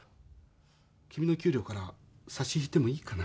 君の給料から差し引いてもいいかな？